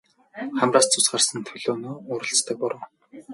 Хамраас цус гарсан төлөөнөө уралцдаг буруу.